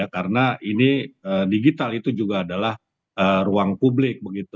karena ini digital itu juga adalah ruang publik